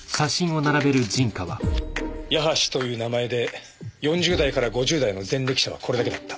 ヤハシという名前で４０代から５０代の前歴者はこれだけだった。